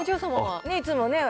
いつもね。